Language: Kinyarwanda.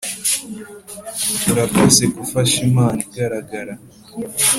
urakoze gufasha impano igaragara